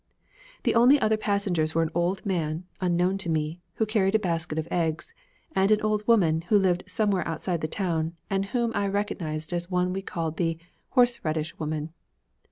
The only other passengers were an old man, unknown to me, who carried a basket of eggs, and an old woman who lived somewhere outside the town and whom I recognized as one we called the 'horse radish woman.'